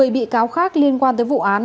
một mươi bị cáo khác liên quan tới vụ án